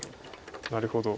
なるほど。